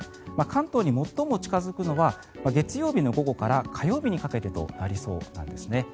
関東に最も近付くのは月曜日の午後から火曜日にかけてとなりそうなんですね。